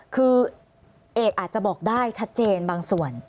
คือเอกอาจจะบอกได้ชัดเจนบางส่วน